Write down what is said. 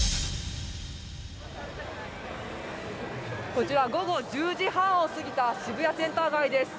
こちら午後１０時半を過ぎた渋谷センター街です。